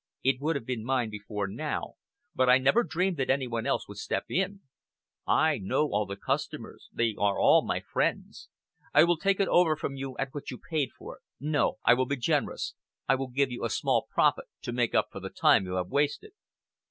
It would have been mine before now, but I never dreamed that any one else would step in. I know all the customers, they are all my friends. I will take it over from you at what you paid for it. No! I will be generous. I will give you a small profit to make up for the time you have wasted."